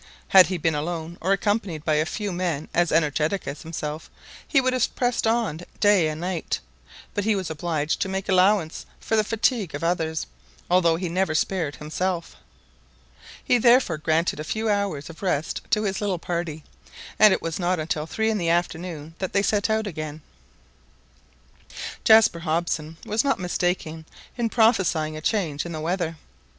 Had he been alone, or accompanied by a few men as energetic as himself, he would have pressed on day and night; but he was obliged to make allowance for the fatigue of others, although he never spared himself. He therefore granted a few hours of rest to his little party, and it was not until three in the afternoon that they again set out. Jaspar Hobson was not mistaken in prophesying a change in the weather.